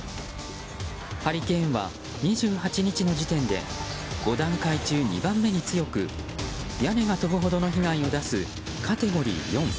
ハリケーンは２８日の時点で５段階中２番目に強く屋根が吹き飛ぶほどの被害を出すカテゴリー４。